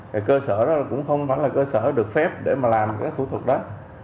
cái cơ sở đó cũng không phải là cơ sở được phép để mà làm cái thủ thuật đó